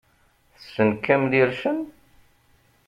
Tessen Kamel Ircen?